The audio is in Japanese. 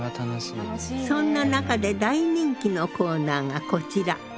そんな中で大人気のコーナーがこちら。